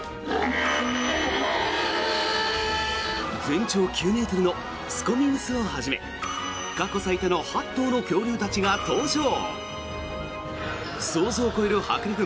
全長９ｍのスコミムスをはじめ過去最多の８頭の恐竜たちが登場。